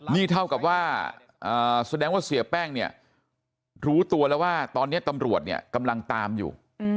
นี่เท่ากับว่าแสดงว่าเสียแป้งเนี่ยรู้ตัวแล้วว่าตอนนี้ตำรวจเนี่ยกำลังตามอยู่